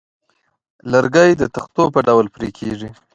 لرګی د تختو په ډول پرې کېږي.